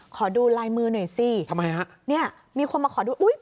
ขอดูลายมือหน่อยสิทำไมฮะเนี่ยมีคนมาขอดูอุ้ย